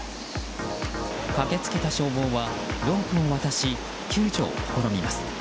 駆け付けた消防はロープを渡し救助を試みます。